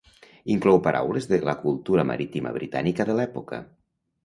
Inclou paraules de la cultura marítima britànica de l'època.